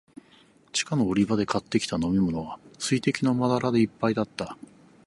地下の売り場で買ってきた飲みものは、水滴のまだらでいっぱいだった。